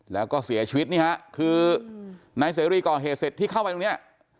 แล้วก็เสียชีวิตนี่ฮะคือนายเสรีก่อเหตุเสร็จที่เข้าไปตรงเนี้ย